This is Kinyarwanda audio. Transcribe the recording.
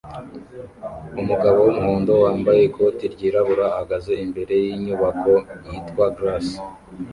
Umugabo wumuhondo wambaye ikoti ryirabura ahagaze imbere yinyubako yitwa Grace